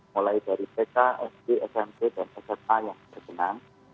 mulai dari ck sd smt dan ssa yang terkenang